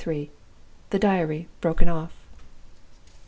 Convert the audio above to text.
THE DIARY BROKEN OFF.